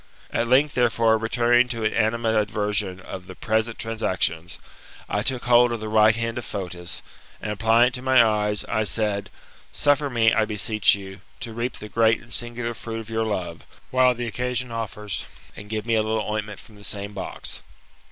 At length, therefore, returning to an animadversion of the present transactions, I took hold of the right hand of Fotis, and, applying it to my eyes, I said, Sufler me, I beseech you, to reap the great and singular fruit of your love, while the occasion oflers, and give me a little ointment from the same box.